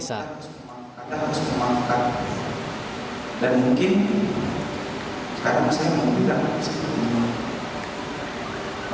saya harus memaafkan dan mungkin sekarang saya mau bilang